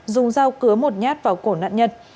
dùng dao cứa một nhát vào cổ nạn nhân